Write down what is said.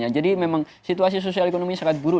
jadi memang situasi sosial ekonominya sangat buruk